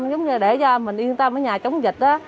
giống như là để cho mình yên tâm ở nhà chống dịch